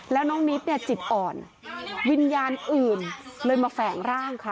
แล้วน้องนิดเนี่ยจิตอ่อนวิญญาณอื่นเลยมาแฝงร่างค่ะ